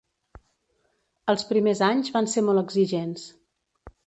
Els primers anys van ser molt exigents.